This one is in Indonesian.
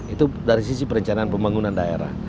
itu dari sisi perencanaan pembangunan daerah